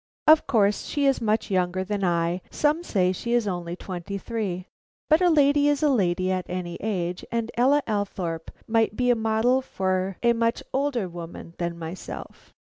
Of course she is much younger than I some say she is only twenty three; but a lady is a lady at any age, and Ella Althorpe might be a model for a much older woman than myself.